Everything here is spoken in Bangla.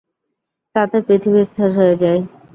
তাতে পৃথিবী স্থির হয়ে যায়।